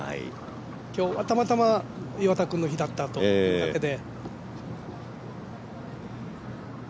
今日はたまたま岩田君の日だったというだけで。